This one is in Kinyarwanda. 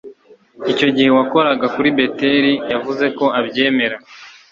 icyo gihe wakoraga kuri beteli yavuze ko abyemera